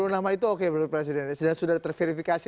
sepuluh nama itu oke pak presiden sudah sudah terverifikasi